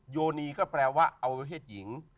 โยนีก็แปลว่าอวัยเพศหญิง